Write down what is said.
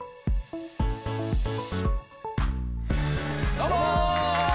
どうも！